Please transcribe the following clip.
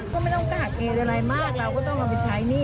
ก็ไม่ต้องกาเกณฑ์อะไรมากเราก็ต้องเอาไปใช้หนี้